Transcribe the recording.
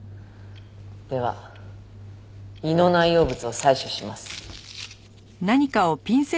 では胃の内容物を採取します。